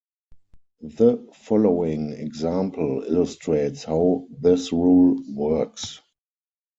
The following example illustrates how this rule works.